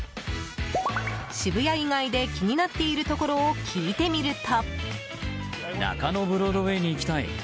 渋谷以外で気になっているところを聞いてみると。